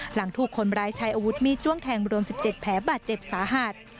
หลังถูกคนร้ายใช้อาวุธมีดจ้วงแทงรวม๑๗แผลบาดเจ็บสาหัส